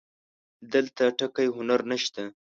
دلته ټکی هنر نه شته